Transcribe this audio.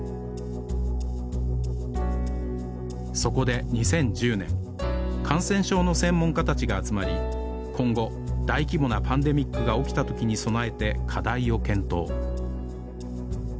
そこで２０１０年感染症の専門家たちが集まり今後大規模なパンデミックが起きた時に備えて課題を検討